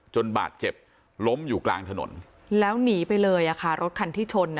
บาดเจ็บล้มอยู่กลางถนนแล้วหนีไปเลยอ่ะค่ะรถคันที่ชน